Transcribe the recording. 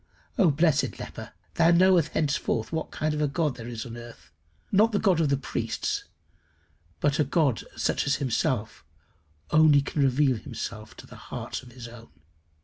Oh blessed leper! thou knowest henceforth what kind of a God there is in the earth not the God of the priests, but a God such as himself only can reveal to the hearts of his own.